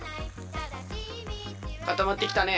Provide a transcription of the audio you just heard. かたまってきたね。